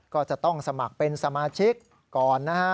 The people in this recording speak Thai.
ก็จะต้องสมัครเป็นสมาชิกก่อนนะฮะ